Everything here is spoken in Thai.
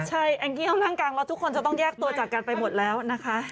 ใช่แองกี้ห้องนั่งกลางแล้วทุกคนจะต้องแยกตัวจากกันไปหมดแล้วนะคะ